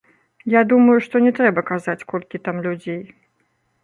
Я думаю, што не трэба казаць, колькі там людзей.